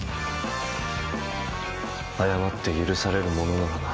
謝って許されるものならな。